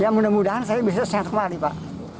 ya mudah mudahan saya bisa sehat kembali pak